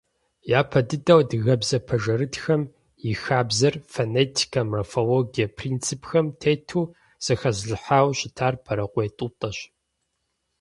Япэ дыдэу адыгэбзэ пэжырытхэм и хабзэр фонетикэ, морфологие принципхэм тету зэхэзылъхьауэ щытар Борыкъуей Тӏутӏэщ.